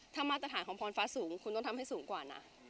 ถ้ามาตรฐานของพรฟ้าสูงคุณต้องทำให้สูงกว่านะ